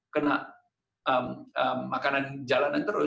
kena makanan jalanan terus